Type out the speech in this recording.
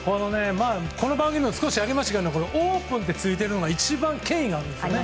この番組でも少しやりましたけどオープンってついているのが一番権威があるんですね。